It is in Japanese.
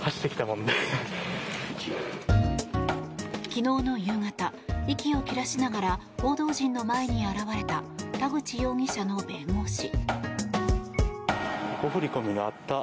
昨日の夕方息を切らしながら報道陣の前に現れた田口容疑者の弁護士。